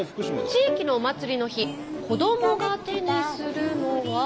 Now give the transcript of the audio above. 地域のお祭りの日子どもが手にするのは。